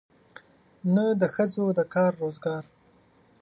نه د ښځو د کار روزګار.